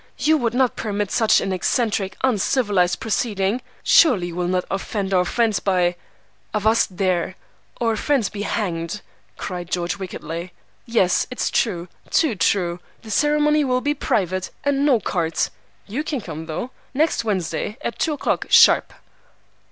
You would not permit such an eccentric, uncivilized proceeding. Surely you will not offend our friends by—" "Avast there! Our friends be hanged!" cried George wickedly. "Yes, it's true, too true. The ceremony will be private, and no cards. You can come, though! Next Wednesday, at two o'clock, sharp!"